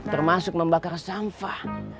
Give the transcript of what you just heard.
termasuk membakar sampah